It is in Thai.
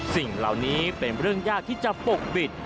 สิ่งเหล่านี้เป็นเรื่องยากที่จะปกปิด